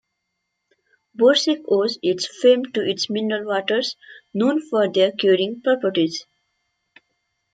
Borsec owes its fame to its mineral waters, known for their curing properties.